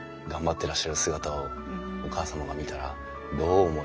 てらっしゃる姿をお母様が見たらどう思いますかね？